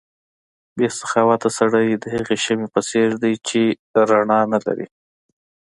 بې سخاوته سړی د هغې شمعې په څېر دی چې رڼا نه لري.